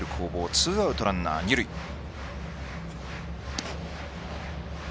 ツーアウトでランナーが二塁です。